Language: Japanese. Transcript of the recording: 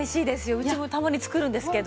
うちもたまに作るんですけど。